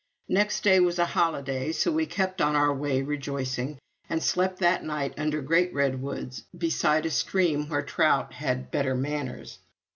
Next day was a holiday, so we kept on our way rejoicing, and slept that night under great redwoods, beside a stream where trout had better manners.